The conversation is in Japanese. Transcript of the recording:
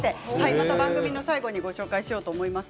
また番組の最後にご紹介しようと思います。